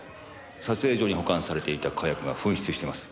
撮影所に保管されていた火薬が紛失してます。